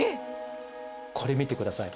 これ見てください。